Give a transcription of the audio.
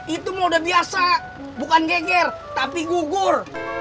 itu mode biasa bukan geger tapi gugur